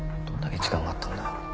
どんだけ時間があったんだよ。